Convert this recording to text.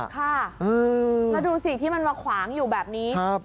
ค่ะแล้วดูสิที่มันมาขวางอยู่แบบนี้